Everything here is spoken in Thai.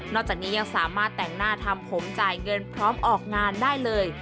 จากนี้ยังสามารถแต่งหน้าทำผมจ่ายเงินพร้อมออกงานได้เลย